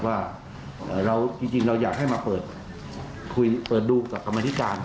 ว่าจริงเราอยากให้มาเปิดดูกับกรรมอธิการ